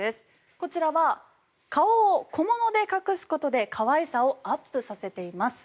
こちらは顔を小物で隠すことで可愛さをアップさせています。